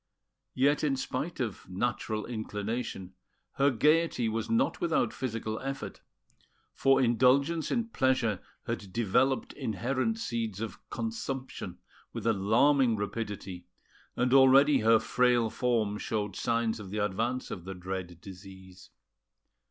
Yet, in spite of natural inclination, her gaiety was not without physical effort; for indulgence in pleasure had developed inherent seeds of consumption with alarming rapidity, and already her frail form showed signs of the advance of the dread disease.